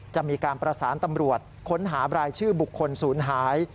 จะมีการประสานตำรวจค้นหาบรายชื่อบุคคลศูนย์หาย